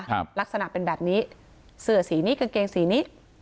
ครับลักษณะเป็นแบบนี้เสื้อสีนี้กางเกงสีนี้